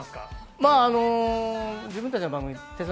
まあ、自分たちの番組、鉄腕！